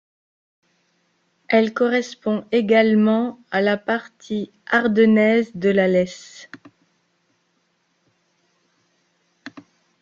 Elle correspond également à la partie ardennaise de la Lesse.